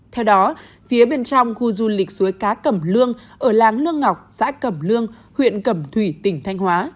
theo đó phía bên trong khu du lịch suối cá cẩm lương ở làng lương ngọc xã cẩm lương huyện cẩm thủy tỉnh thanh hóa